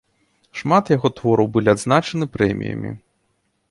Шмат яго твораў былі адзначаны прэміямі.